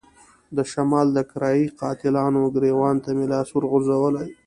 د شمال د کرايه ای قاتلانو ګرېوان ته مې لاس ورغځولی.